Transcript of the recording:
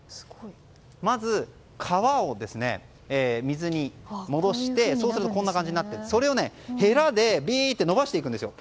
まず、皮を水に戻してそうすると、こんな感じになってそれをヘラで伸ばしていくんですよ。